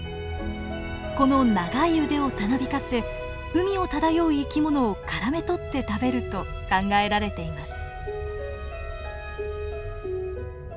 この長い腕をたなびかせ海を漂う生き物をからめとって食べると考えられています。